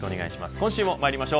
今週もまいりましょう。